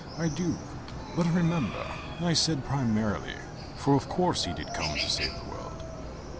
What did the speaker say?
"I do. But remember, I said primarily, for of course he did come to save the world."